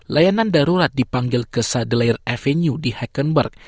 layanan darurat dipanggil ke saddler avenue di hackenberg